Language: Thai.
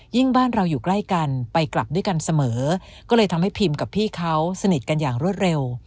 บ้านเราอยู่ใกล้กันไปกลับด้วยกันเสมอก็เลยทำให้พิมกับพี่เขาสนิทกันอย่างรวดเร็ว